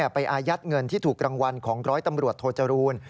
อายัดเงินที่ถูกรางวัลของร้อยตำรวจโทจรูล